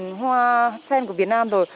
một là hình hoa sen của việt nam rồi